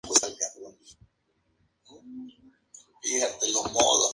Lo que pretendían era que Israel volviera a su propia fe, con radicalidad excluyente.